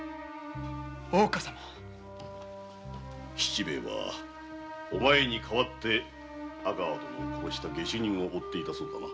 大岡様七兵衛はお前に代わって阿川殿殺害の下手人を追っていたそうだな？